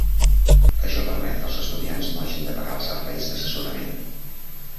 Això permet que els estudiants no hagin de pagar els serveis d'assessorament.